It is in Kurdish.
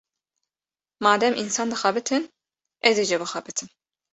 Madem însan dixebitin, ez ê jî bixebitim.